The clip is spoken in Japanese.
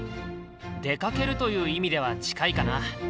出かけるという意味では近いかな。